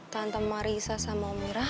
tante marissa sama om mirawan ya